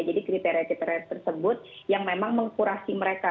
jadi kriteria kriteria tersebut yang memang mengkurasi mereka